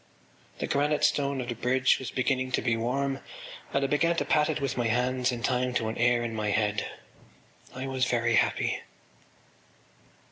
The granite stone of the bridge was beginning to be warm and I began to pat it with my hands in time to an air in my head. I was very happy.